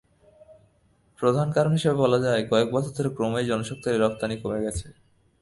প্রধান কারণ হিসেবে বলা যায়, কয়েক বছর ধরে ক্রমেই জনশক্তি রপ্তানি কমে যাওয়া।